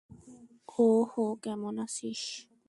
ও-হো, কেমন আছিস?